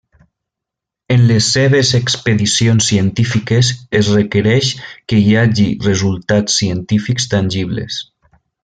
En les seves expedicions científiques es requereix que hi hagi resultats científics tangibles.